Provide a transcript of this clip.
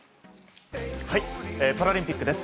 パラリンピックです。